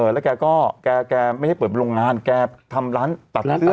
แล้วแกก็แกไม่ให้เปิดโรงงานแกทำร้านตัด